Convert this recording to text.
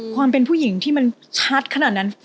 ความเป็นผู้หญิงที่มันชัดขนาดนั้น